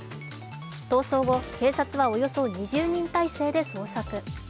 逃走後、警察はおよそ２０人態勢で捜索。